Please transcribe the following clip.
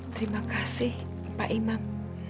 terima kasih pak inan